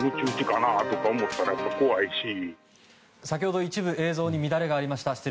先ほど、一部映像に乱れがありました。